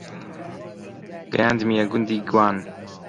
گەیاندمیە گوندی گوان